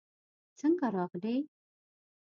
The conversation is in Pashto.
څنګه راغلې؟